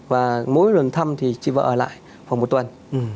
và mỗi lần thăm thì chị vợ ở lại khoảng một tuần